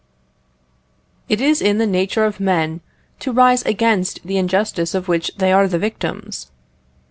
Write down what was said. It is in the nature of men to rise against the injustice of which they are the victims.